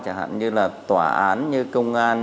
chẳng hạn như là tòa án như công an